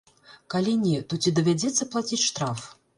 Калі не, то ці давядзецца плаціць штраф?